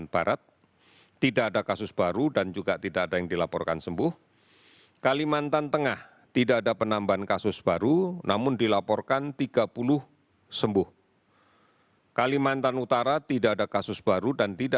jawa timur juga melaporkan kesehandaan ber opis drankvinated ak wszystko dalam safetykryptokin catcha